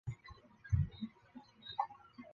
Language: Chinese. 未来计划兴建的如意坊大桥与该路相连接。